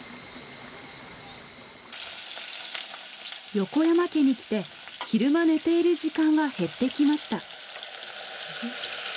横山家に来て昼間寝ている時間は減ってきました。